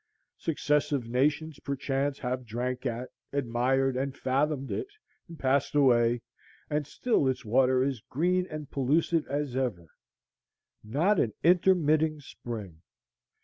Successive nations perchance have drank at, admired, and fathomed it, and passed away, and still its water is green and pellucid as ever. Not an intermitting spring!